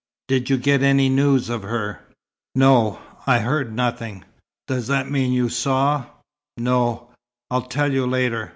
Did you get any news of her?" "No. I heard nothing." "Does that mean you saw " "No. I'll tell you later.